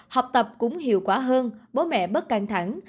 học tập cũng hiệu quả hơn bố mẹ bớt căng thẳng